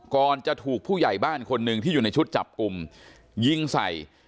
ก่อนจะถูกผู้ใหญ่บ้านคนหนึ่งที่อยู่ในชุดจับกลุ่มยิงใส่